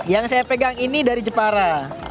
yang saya pegang ini dari jepara